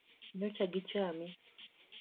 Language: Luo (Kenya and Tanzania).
Nyocha gichami?